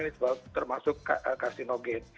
ya kita bilang ini termasuk karsinogen